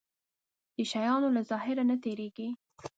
د شيانو له ظاهر نه تېرېږي.